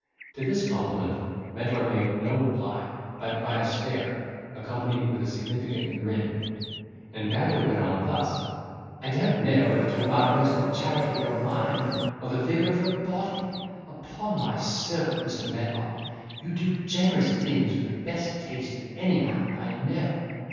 To this compliment Medlar made no reply, but by a stare, accompanied with a significant grin; and Banter went on thus; "I don't know whether most to admire the charity of your mind, or the vigour of your body. Upon my soul, Mr. Medlar, you do generous things with the best taste of any man I know!